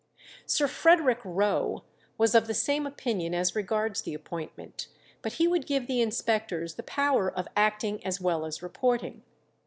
Sir Frederick Roe was of the same opinion as regards the appointment, but he would give the inspectors the power of acting as well as reporting.